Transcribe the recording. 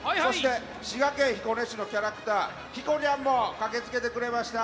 滋賀県彦根市のキャラクターひこにゃんもかけつけてくれました。